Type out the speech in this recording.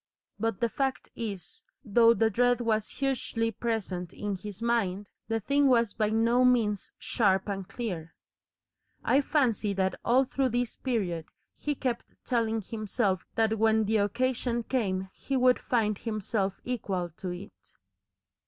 But the fact is, though the dread was hugely present in his mind, the thing was by no means sharp and clear. I fancy that all through this period he kept telling himself that when the occasion came he would find himself equal to it.